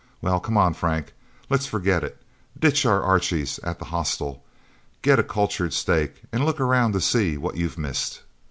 "Well, come on, Frank let's forget it, ditch our Archies at the Hostel, get a culture steak, and look around to see what you've missed..."